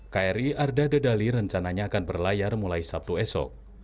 kri arda dedali rencananya akan berlayar mulai sabtu esok